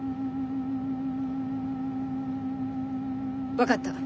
分かった。